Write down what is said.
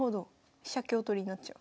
飛車香取りになっちゃう。